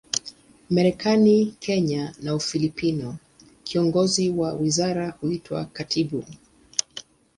Marekani, Kenya na Ufilipino, kiongozi wa wizara huitwa katibu.